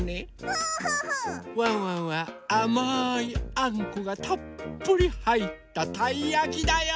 ワンワンはあまいあんこがたっぷりはいったたいやきだよ！